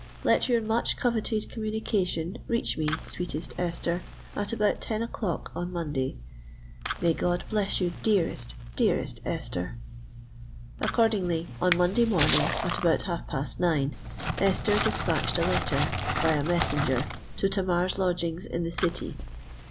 Let your much coveted communication reach me, sweetest Esther, at about ten o'clock on Monday. May God bless you, dearest—dearest Esther!" Accordingly, on Monday morning, at about half past nine, Esther despatched a letter, by a messenger, to Tamar's lodgings in the City.